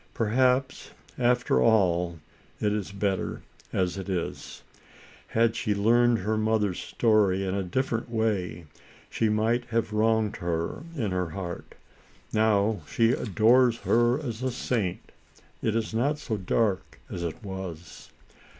Perhaps, after all, it is bet ter as it is. Had she learned her mother's story in a different way, she might have wronged her in her heart. Now she adores her as a saint. It is not So dark as it was.